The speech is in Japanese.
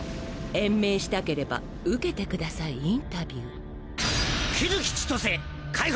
延命したければ受けて下さいインタビュー。